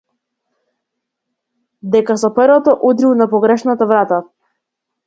Дека со перото удрил на погрешна врата.